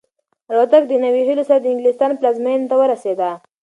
الوتکه د نویو هیلو سره د انګلستان پلازمینې ته ورسېده.